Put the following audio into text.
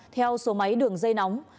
theo số máy đường dây nóng